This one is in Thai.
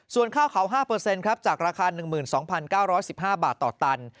ส่วนข้าวเขา๕ครับจากราคา๑๒๙๑๕บาทต่อตัน